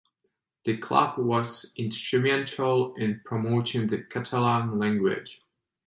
The Club was instrumental in promoting the Catalan language.